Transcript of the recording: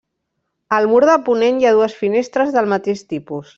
Al mur de ponent, hi ha dues finestres del mateix tipus.